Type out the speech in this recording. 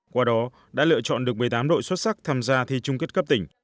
qua đó đã lựa chọn được một mươi tám đội xuất sắc tham gia thi chung kết cấp tỉnh